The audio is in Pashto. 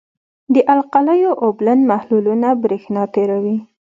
د القلیو اوبلن محلولونه برېښنا تیروي.